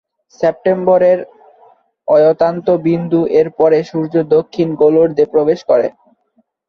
সেপ্টেম্বরের অয়তান্ত-বিন্দু এর পরে সূর্য দক্ষিণ গোলার্ধে প্রবেশ করে।